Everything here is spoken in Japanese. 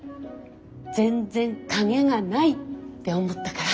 全然影がない」って思ったから。